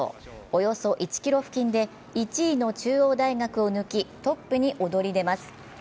およそ１ｋｍ付近で１位の中央大学を抜きトップに躍り出ます。